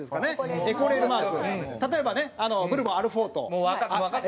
例えばねブルボンアルフォート。